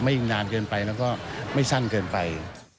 อีกนานเกินไปแล้วก็ไม่สั้นเกินไป